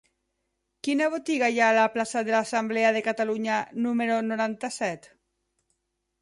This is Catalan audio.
Quina botiga hi ha a la plaça de l'Assemblea de Catalunya número noranta-set?